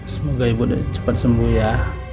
semoga ibu cepat sembuh ya